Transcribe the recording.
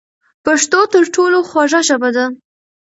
پښتو تر ټولو خوږه ژبه ده.